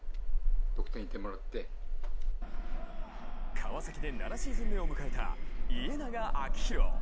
川崎で７シーズン目を迎えた家長昭博。